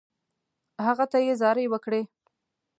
هغه ته یې زارۍ وکړې.